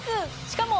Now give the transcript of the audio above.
しかも。